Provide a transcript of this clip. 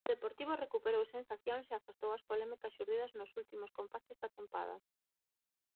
O Deportivo recuperou sensacións e afastou as polémicas xurdidas nos últimos compases da tempada.